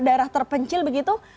daerah terpencil begitu